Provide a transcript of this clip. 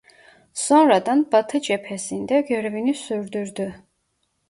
Sonradan Batı Cephesi'nde görevini sürdürdü.